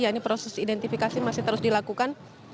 yaitu proses identifikasi masih terus dilakukan